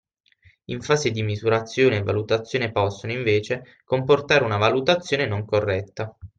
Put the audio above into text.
In fase di misurazione e valutazione possono, invece, comportare una valutazione non corretta